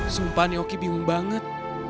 sumpah nih oki bingung banget